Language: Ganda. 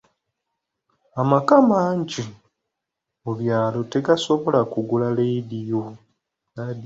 Amaka mangi mu byalo tegasobola kugula laadiyo.